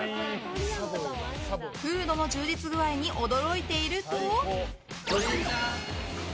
フードの充実具合に驚いていると。